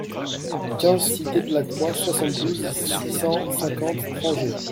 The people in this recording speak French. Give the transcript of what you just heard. quinze cité de la Croix, soixante-douze, six cent cinquante, Trangé